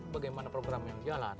bagaimana program yang jalan